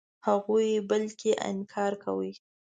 هغوی بالکل انکار کوي.